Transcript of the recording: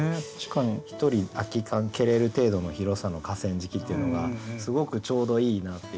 ひとり空きカン蹴れる程度の広さの河川敷っていうのがすごくちょうどいいなっていう。